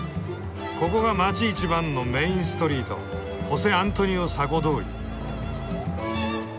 ここが街一番のメインストリートホセ・アントニオ・サコ通り。